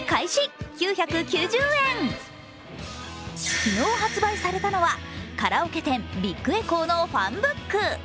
昨日発売されたのはカラオケ店ビッグエコーのファンブック。